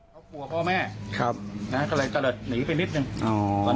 ครอบครัวพ่อแม่ครับน่ะทำลัยเจริญหนีไปนิดหนึ่งอ๋อ